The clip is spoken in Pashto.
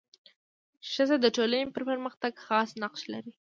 ښځه د ټولني په پرمختګ کي خاص نقش لري.